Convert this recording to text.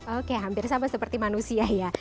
oke hampir sama seperti manusia ya